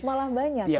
malah banyak ya